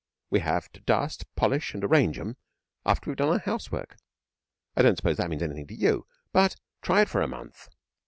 We have to dust, polish, and arrange 'em after we've done our housework. I don't suppose that means anything to you, but try it for a month!